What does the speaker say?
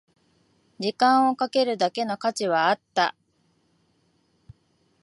時間をかけるだけの価値はあった